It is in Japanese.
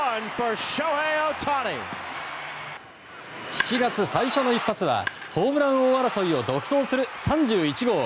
７月最初の一発はホームラン王争いを独走する３１号。